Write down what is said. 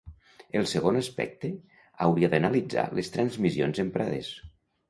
El segon aspecte hauria d’analitzar les transmissions emprades.